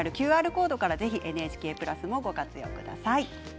ＱＲコードからぜひＮＨＫプラスをご覧ください。